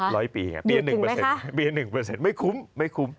ร้อยปีเลยเหรอคะหยุดถึงไหมคะล้อยปีปี๑ไม่คุ้ม